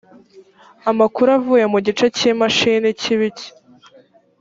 amakuru avuye mu gice cy imashini kibika